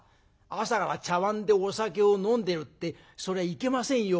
朝から茶わんでお酒を飲んでるってそりゃいけませんよ。